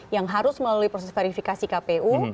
yang harus melalui proses verifikasi kpu